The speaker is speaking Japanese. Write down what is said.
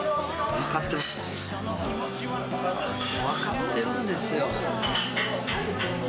分かってるんですよ。